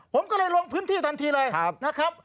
ผมก็เลยลงพื้นที่ทันทีเลยนะครับ